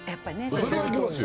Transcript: それは行きますよ